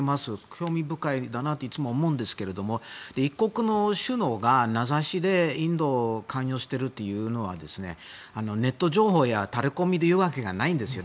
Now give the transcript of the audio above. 興味深いなといつも思うんですけども一国の首脳が名指しでインドが関与しているというのはネット情報やタレコミで言うわけがないんですよ。